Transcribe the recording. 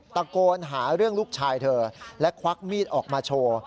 ตะโกนหาเรื่องลูกชายเธอและควักมีดออกมาโชว์